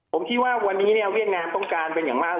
ผมคิดว่าวันนี้เวียดนามต้องการเป็นอย่างมาก